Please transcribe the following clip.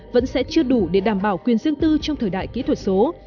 vẫn sẽ chưa đủ để đảm bảo quyền riêng tư trong thời đại kỹ thuật số